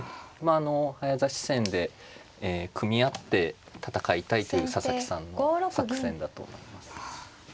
あの早指し戦で組み合って戦いたいという佐々木さんの作戦だと思います。